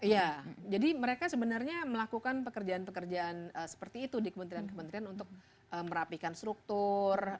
iya jadi mereka sebenarnya melakukan pekerjaan pekerjaan seperti itu di kementerian kementerian untuk merapikan struktur apa yang kita tahu ya